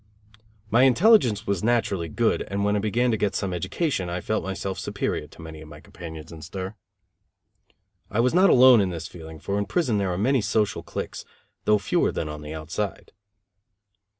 My intelligence was naturally good, and when I began to get some education I felt myself superior to many of my companions in stir. I was not alone in this feeling, for in prison there are many social cliques; though fewer than on the outside.